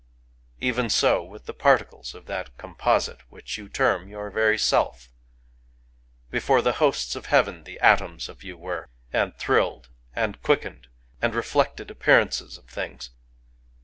Even so with the particles of that composite which you term your very Self. Before the hosts of heaven the atoms of you were — and thrilled, — and quickened, — and reflected appearances of things.